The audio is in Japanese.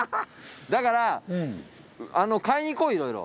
だから買いに行こういろいろ。